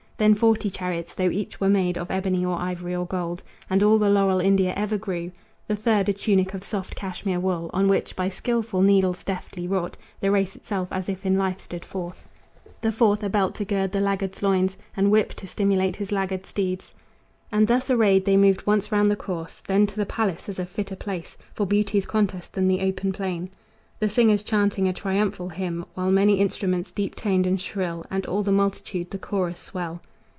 Than forty chariots, though each were made Of ebony or ivory or gold, And all the laurel India ever grew. The third, a tunic of soft Cashmere wool, On which, by skillful needles deftly wrought, The race itself as if in life stood forth. The fourth, a belt to gird the laggard's loins And whip to stimulate his laggard steeds. And thus arrayed they moved once round the course, Then to the palace, as a fitter place For beauty's contest than the open plain; The singers chanting a triumphal hymn, While many instruments, deep toned and shrill, And all the multitude, the chorus swell.